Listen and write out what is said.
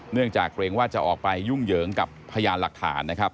เนื่องจากเกรงว่าจะออกไปยุ่งเหยิงกับพยานหลักฐานนะครับ